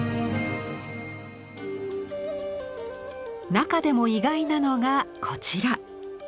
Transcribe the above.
中でも意外なのがこちら。